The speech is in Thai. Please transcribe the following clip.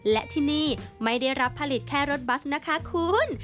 และที่นี่ไม่ได้รับผลิตแค่รถบัสนะคะคุณ